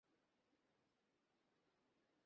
এমন কোন মানবীয় বিধান নেই, যার অপব্যবহার হয়নি।